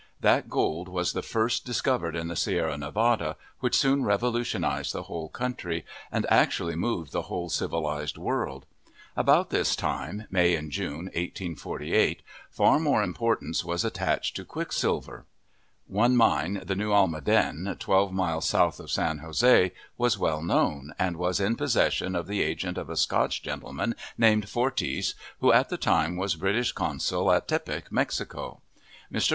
That gold was the first discovered in the Sierra Nevada, which soon revolutionized the whole country, and actually moved the whole civilized world. About this time (May and June, 1848), far more importance was attached to quicksilver. One mine, the New Almaden, twelve miles south of San Jose, was well known, and was in possession of the agent of a Scotch gentleman named Forties, who at the time was British consul at Tepic, Mexico. Mr.